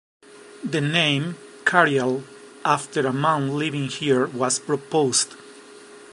The name "Caryell", after a man living here, was proposed.